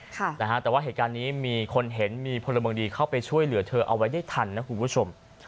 แต่ว่าเหตุการณ์นี้มีคนเห็นมีพลเมืองดีเข้าไปช่วยเหลือเธอเอาไว้ได้ทันนะคุณผู้ชม